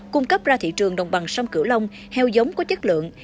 cung cấp ra thị trường đồng bằng sông cửu long heo giống có chất lượng